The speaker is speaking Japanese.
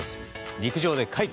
陸上で快挙。